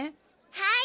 はい。